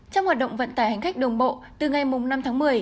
trong hoạt động vận tải hành khách đường bộ từ ngày năm tháng một mươi